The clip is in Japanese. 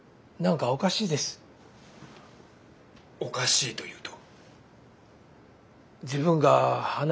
おかしいというと？